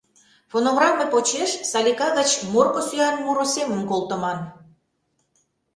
Фонограмме почеш «Салика» гыч «Морко сӱан муро» семым колтыман.